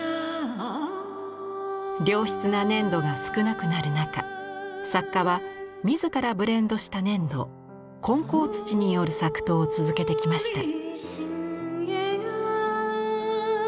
良質な粘土が少なくなる中作家は自らブレンドした粘土混淆土による作陶を続けてきました。